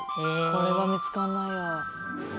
これは見つかんないわ。